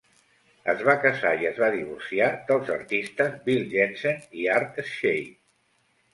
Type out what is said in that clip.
Es va casar i es va divorciar dels artistes Bill Jensen i Art Schade.